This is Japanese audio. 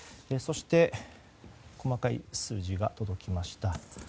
そして細かい数字が届きました。